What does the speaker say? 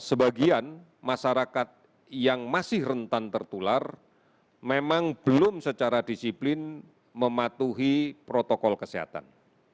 sebagian masyarakat yang masih rentan tertular memang belum secara disiplin mematuhi protokol kesehatan